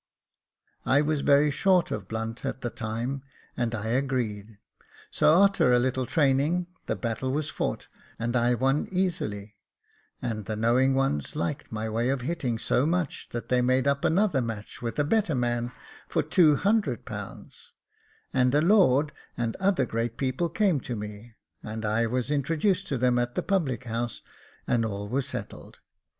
I was very short of blunt at the time, and I agreed ; so, a'ter a little training, the battle was fought, and I won easy j and the knowing ones hked my way of hitting so much that they made up another match with a better man, for two hundred pounds ; and a lord and other great people came to me, and I was Jacob Faithful 213 introduced to them at the public house, and all was settled.